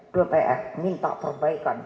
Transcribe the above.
dpr minta perbaikan